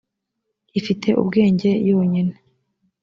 ifite ubwenge yonyine